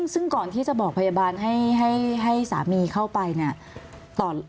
ซึ่งก่อนที่จะบอกพยาบาลให้สามีเข้าไปเนี่ย